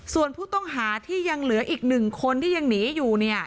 ส่วนผู้ต้องหาที่ยังเหลืออีก๑คนที่ยังหนีอยู่